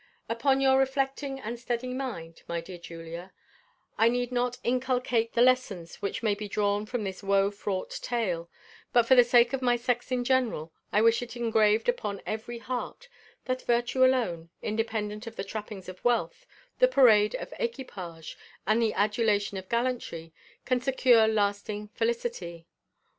Upon your reflecting and steady mind, my dear Julia, I need not inculcate the lessons which may be drawn from this woe fraught tale; but for the sake of my sex in general, I wish it engraved upon every heart, that virtue alone, independent of the trappings of wealth, the parade of equipage, and the adulation of gallantry, can secure lasting felicity.